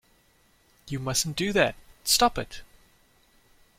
You mustn't do that. Stop it!